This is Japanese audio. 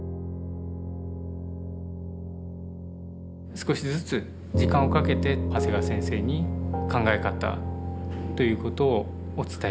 少しずつ時間をかけて長谷川先生に考え方ということをお伝えしていく。